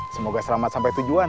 semoga selamat sampai tujuan